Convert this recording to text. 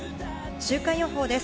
週間予報です。